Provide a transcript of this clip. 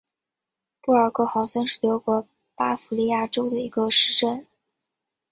布尔格豪森是德国巴伐利亚州的一个市镇。